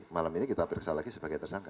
malam ini kita periksa lagi sebagai tersangka